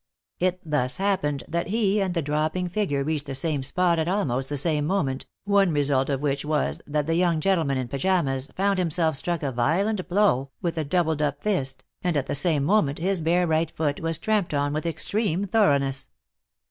It thus happened that he and the dropping figure reached the same spot at almost the same moment, one result of which was that the young gentleman in pajamas found himself struck a violent blow with a doubled up fist, and at the same moment his bare right foot was tramped on with extreme thoroughness.